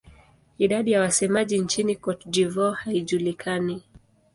Idadi ya wasemaji nchini Cote d'Ivoire haijulikani.